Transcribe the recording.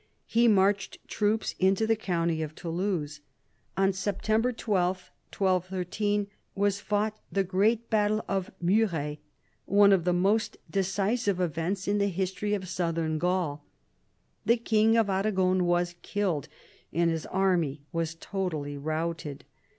He marched troops into the county of Toulouse. On September 12, 1213, was fought the great battle of Muret, one of the most decisive events in the history of Southern Gaul. The king of Aragon was killed, and his army was totally routed.